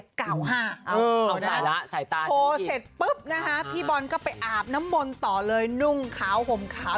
เอาได้แล้วโทรเสร็จปุ๊บนะคะพี่บอลก็ไปอาบน้ำมนต์ต่อเลยนุ่งขาวห่มขาว